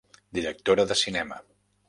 Directora de Cinema.